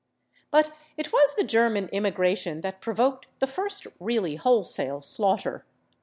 " But it was the German immigration that provoked the first really wholesale slaughter.